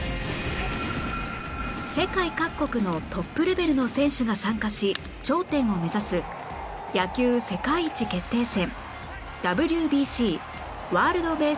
世界各国のトップレベルの選手が参加し頂点を目指す野球世界一決定戦